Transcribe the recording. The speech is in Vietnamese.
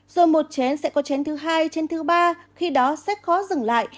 rồi một chén sẽ có chén thứ hai trên thứ ba khi đó sẽ khó dừng lại